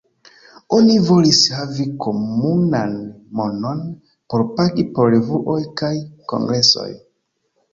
Oni volis havi komunan monon por pagi por revuoj kaj kongresoj.